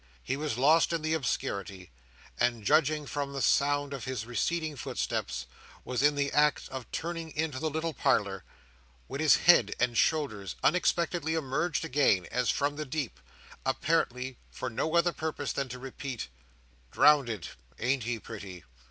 He was lost in the obscurity, and, judging from the sound of his receding footsteps, was in the act of turning into the little parlour, when his head and shoulders unexpectedly emerged again, as from the deep, apparently for no other purpose than to repeat, "Drownded, ain't he, pretty?"